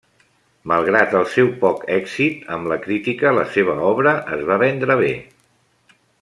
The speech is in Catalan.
Malgrat el seu poc èxit amb la crítica, la seva obra es va vendre bé.